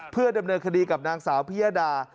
เพื่อดำเนินคดีกับนางสาวพิยดา